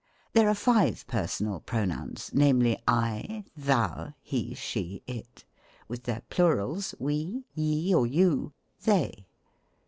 There are five Personal Pronouns ; name ly, 1, thou, f he, she, it ; with their plurals, we, ye or you, they.